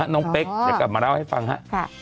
เป๊กเดี๋ยวกลับมาเล่าให้ฟังฮะ